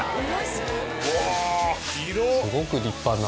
すごく立派な。